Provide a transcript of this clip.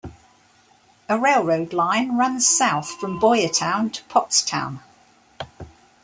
A railroad line runs south from Boyertown to Pottstown.